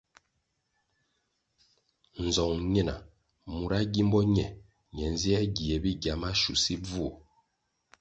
Nzong nina mura gímbo ne nzier gie bigya masusi bvuo.